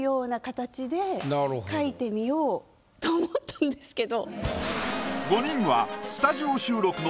描いてみようと思ったんですけど。